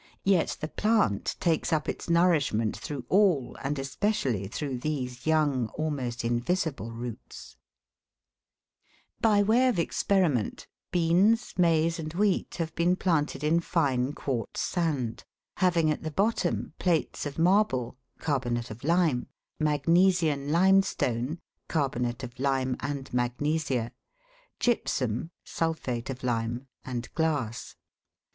Yet the plant takes up its nourishment through all and especially through these young, almost invisible roots (Fig. 20). By way of experiment t beans, maize, and wheat, have been planted in fine quartz sand, having at the bottom plates of marble (carbonate of lime), magnesian limestone (car bonate of lime and magnesia), gypsum (sulphate of lime), and glass.